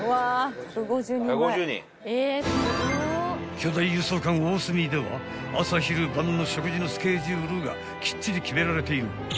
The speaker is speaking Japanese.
［巨大輸送艦おおすみでは朝昼晩の食事のスケジュールがきっちり決められている］